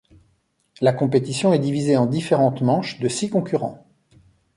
La compétition est divisée en différentes manches de six concurrents.